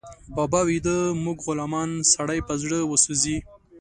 بابا ويده، موږ غلامان، سړی په زړه وسوځي